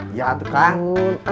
iya tuh kang